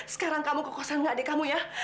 sekarang kamu kokosan nggak adik kamu ya